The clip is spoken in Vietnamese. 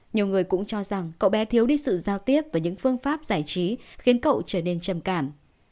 nhiều người cũng cho rằng cậu bé thiếu đi sự giao tiếp và những phương pháp giải trí khiến cậu trở nên trầm cảm